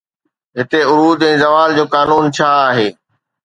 هتي عروج ۽ زوال جو قانون ڇا آهي؟